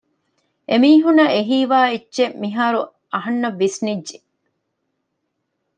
އެމީހުންނަށް އެ ހީވާ އެއްޗެއް މިހާރު އަހަންނަށް ވިސްނިއްޖެ